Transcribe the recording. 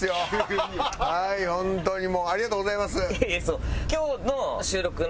はい本当にもうありがとうございます。